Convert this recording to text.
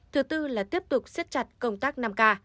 thứ tư là tiếp tục xếp chặt công tác năm k